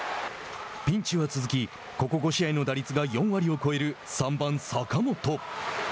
ピンチは続きここ５試合の打率が４割を超える３番坂本。